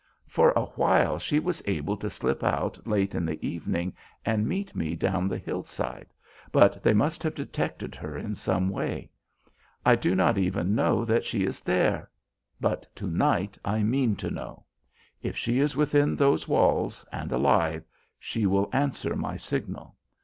For a while she was able to slip out late in the evening and meet me down the hill side, but they must have detected her in some way. I do not even know that she is there, but to night I mean to know. If she is within those walls and alive she will answer my signal.